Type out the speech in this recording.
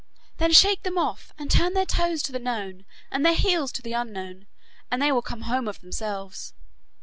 Then shake them off, and turn their toes to the known, and their heels to the unknown, and they will come home of themselves.